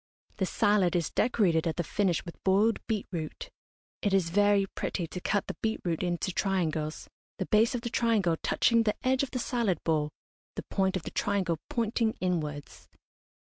The salad is decorated at the finish with boiled beet root. It is very pretty to cut the beet root into triangles, the base of the triangle touching the edge of the salad bowl, the point of the triangle pointing inwards.